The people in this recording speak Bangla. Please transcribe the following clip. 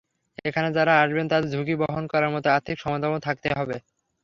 এখানে যাঁরা আসবেন তাঁদের ঝুঁকি বহন করার মতো আর্থিক ক্ষমতাও থাকতে হবে।